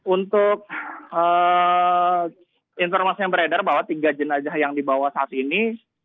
untuk informasi yang beredar bahwa tiga jenazah yang dibawa saat ini